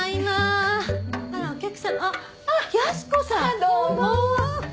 どうも。